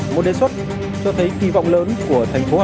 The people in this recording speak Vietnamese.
một đề xuất cho thấy kỳ vọng lớn của thành phố hà nội